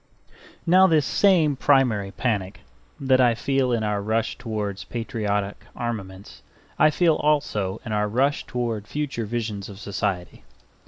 Now this same primary panic that I feel in our rush towards patriotic armaments I feel also in our rush towards future visions of society.